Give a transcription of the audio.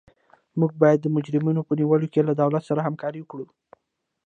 موږ باید د مجرمینو په نیولو کې له دولت سره همکاري وکړو.